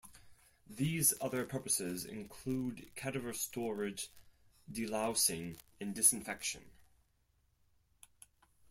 These other purposes include cadaver storage, delousing, and disinfection.